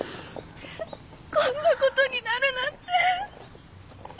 こんなことになるなんて。